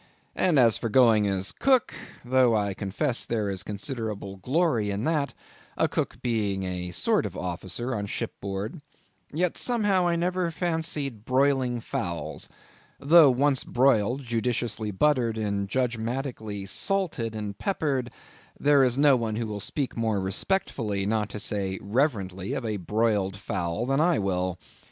And as for going as cook,—though I confess there is considerable glory in that, a cook being a sort of officer on ship board—yet, somehow, I never fancied broiling fowls;—though once broiled, judiciously buttered, and judgmatically salted and peppered, there is no one who will speak more respectfully, not to say reverentially, of a broiled fowl than I will.